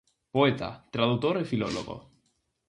Poeta, tradutor e filólogo.